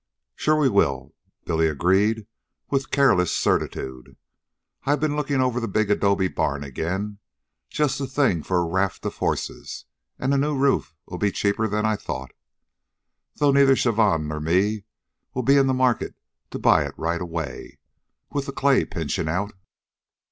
"Sure we will," Billy agreed with careless certitude. "I've ben lookin' over the big adobe barn again. Just the thing for a raft of horses, an' a new roof'll be cheaper 'n I thought. Though neither Chavon or me'll be in the market to buy it right away, with the clay pinchin' out."